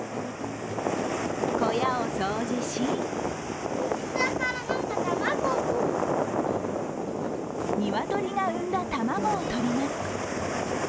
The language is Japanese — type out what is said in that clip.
小屋を掃除し鶏が産んだ卵をとります。